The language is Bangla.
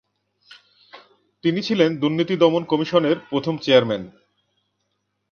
তিনি ছিলেন দুর্নীতি দমন কমিশনের প্রথম চেয়ারম্যান।